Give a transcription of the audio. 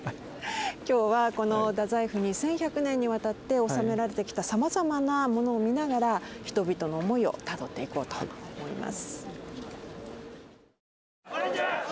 今日はこの太宰府に１，１００年にわたって納められてきたさまざまなものを見ながら人々の思いをたどっていこうと思います。